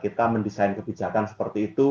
kita mendesain kebijakan seperti itu